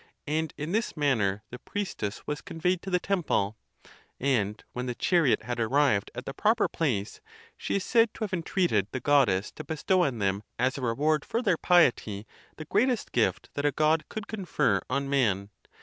And in this manner the priestess was conveyed to the temple; and when the chariot had ar rived at the proper place, she is said to have entreated the Goddess to bestow on them, as a reward for their piety, the greatest gift that a God could confer on man.